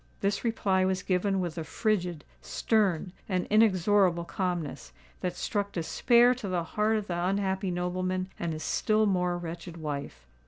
This reply was given with a frigid—stern—and inexorable calmness, that struck despair to the heart of the unhappy nobleman and his still more wretched wife.